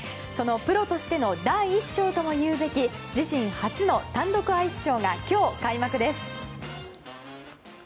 プロとしての第１章とも言うべき自身初の単独アイスショーが今日、開幕です。